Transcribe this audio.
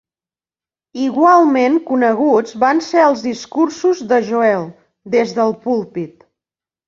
Igualment coneguts van ser els discursos de Joel des del púlpit.